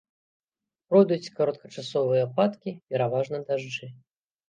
Пройдуць кароткачасовыя ападкі, пераважна дажджы.